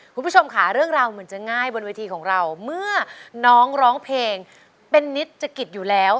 คุณผู้ชมค่ะเรื่องราวเหมือนจะง่ายบนเวทีของเราเมื่อน้องร้องเพลงเป็นนิตอยู่แล้ว